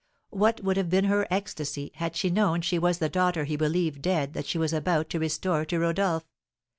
What would have been her ecstasy, had she known she was the daughter he believed dead that she was about to restore to Rodolph!